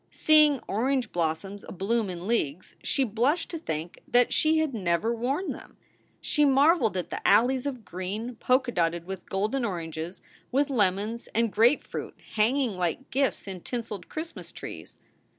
Seeing orange blossoms abloom in leagues, she blushed to think that she had never worn them. She marveled at the alleys of green, polka dotted with golden oranges, with lemons and grapefruit hanging like gifts in tinseled Christ mas trees.